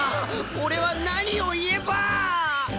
俺は何を言えば！